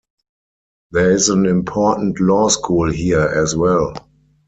There is an important law school here as well.